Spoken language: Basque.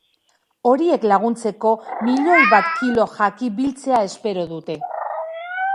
Horiek laguntzeko milioi bat kilo jaki biltzea espero dute.